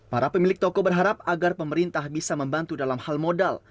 para pemilik toko berharap agar pemerintah bisa membantu dalam hal modal